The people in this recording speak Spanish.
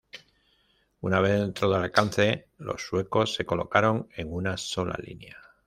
Una vez dentro del alcance, los suecos se colocaron en una sola línea.